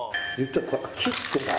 切ってさ。